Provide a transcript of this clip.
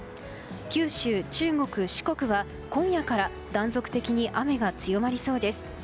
九州、中国・四国は今夜から断続的に雨が強まりそうです。